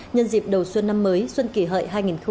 nhân dịp đầu xuân năm mới xuân kỷ hợi hai nghìn một mươi chín